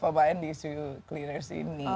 para pemain di suhu cleaners ini